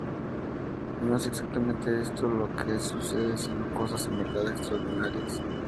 No es exactamente esto lo que sucede, sino cosas en verdad extraordinarias.